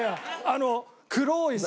あの黒いさ。